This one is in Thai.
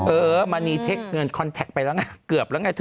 เออมณีเทคเงินคอนแท็กไปแล้วไงเกือบแล้วไงเธอ